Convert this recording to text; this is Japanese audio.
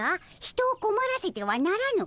人をこまらせてはならぬ。